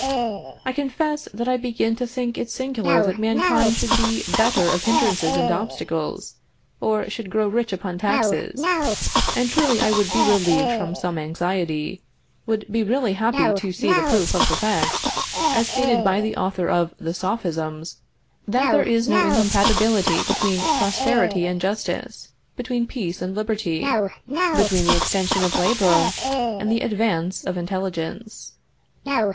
"I confess that I begin to think it singular that mankind should be the better of hindrances and obstacles, or should grow rich upon taxes; and truly I would be relieved from some anxiety, would be really happy to see the proof of the fact, as stated by the author of "the Sophisms," that there is no incompatibility between prosperity and justice, between peace and liberty, between the extension of labor and the advance of intelligence."